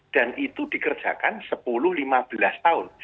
dan itu dikerjakan sepuluh lima belas tahun